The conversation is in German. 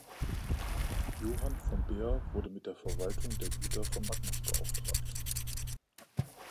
Johann von Behr wurde mit der Verwaltung der Güter von Magnus beauftragt.